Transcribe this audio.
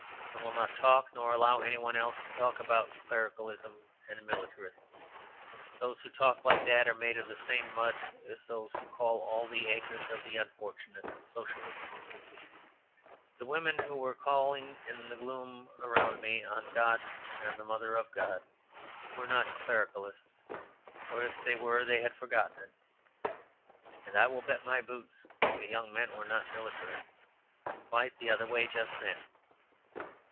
I will not talk nor allow any one else to talk about "clericalism" and "militarism." Those who talk like that are made of the same mud as those who call all the angers of the unfortunate "Socialism." The women who were calling in the gloom around me on God and the Mother of God were not "clericalists"; or, if they were, they had forgotten it. And I will bet my boots the young men were not "militarists" quite the other way just then.